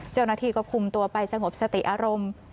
เจ้าหน้าที่ก็คุมตัวไปสงบสติอารมณ์